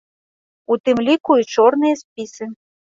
У тым ліку, і чорныя спісы.